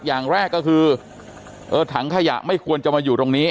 อย่างแรกก็คือถังขยะไม่ควรจะมาอยู่ตรงนี้